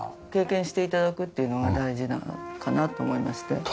経験して頂くっていうのが大事なのかなと思いまして。